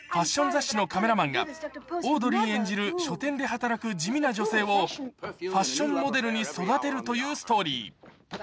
雑誌のカメラマンが、オードリー演じる書店で働く地味な女性を、ファッションモデルに育てるというストーリー。